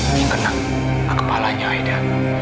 yang kena kepalanya aida